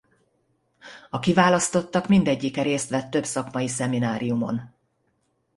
A kiválasztottak mindegyike részt vett több szakmai szemináriumon.